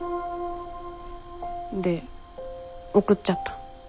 で送っちゃった。